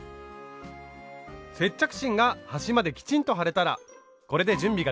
接着芯が端まできちんと貼れたらこれで準備ができました。